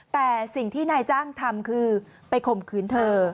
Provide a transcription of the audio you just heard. แต่สิ่งที่นายจ้างทำคือไปข่มขืนเธอ